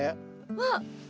わっ。